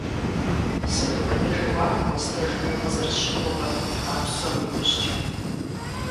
Сыт хуэдэ жэуап уэстыжыну укъызэрысщыгугъыр а псом иужькӀэ?